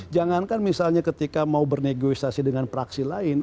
jangankan misalnya ketika mau bernegosiasi dengan praksi lain